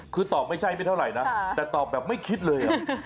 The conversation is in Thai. คือตอบไม่ใช่ไม่เท่าไหร่นะแต่ตอบแบบไม่คิดเลย